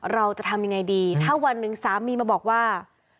เราจะทำยังไงดีถ้าวันหนึ่งสามีมาบอกว่า